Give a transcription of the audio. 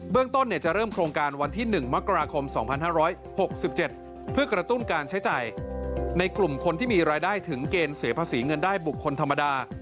ต้นจะเริ่มโครงการวันที่๑มกราคม๒๕๖๗เพื่อกระตุ้นการใช้จ่ายในกลุ่มคนที่มีรายได้ถึงเกณฑ์เสียภาษีเงินได้บุคคลธรรมดา